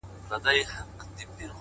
د عقل بندیوانو د حساب کړۍ ماتېږي!!